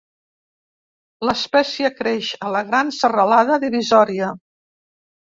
L'espècie creix a la Gran Serralada Divisòria.